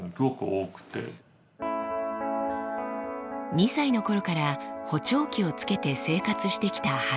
２歳の頃から補聴器をつけて生活してきた原さん。